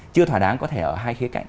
chưa thỏa đáng có thể ở hai khía cạnh